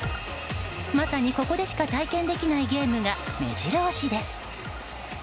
まさに、ここでしか体験できないゲームが目白押しです。